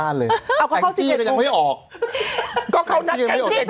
นั่นมาอย่างนี้พี่หนุ่มจะไปเช้าขนาดนั้น